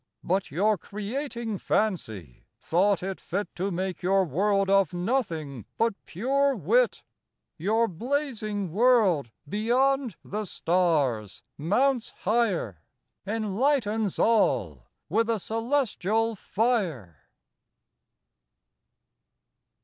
But your Creating Fancy, thought it fit To make your World of Nothing, but pure Wit. Your Blazing World, beyond the Stars mounts higher, Enlightens all with a Cœlestial Fier. William Newcastle.